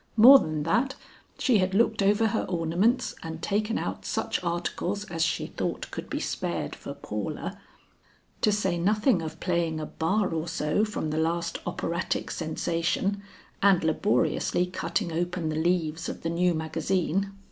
More than that, she had looked over her ornaments and taken out such articles as she thought could be spared for Paula, to say nothing of playing a bar or so from the last operatic sensation, and laboriously cutting open the leaves of the new magazine.